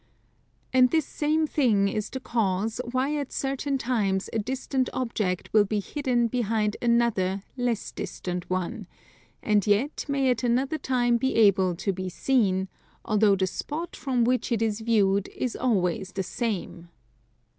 And this same thing is the cause why at certain times a distant object will be hidden behind another less distant one, and yet may at another time be able to be seen, although the spot from which it is viewed is always the same.